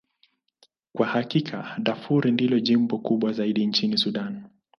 Kwa hakika, Darfur ndilo jimbo kubwa zaidi nchini Sudan.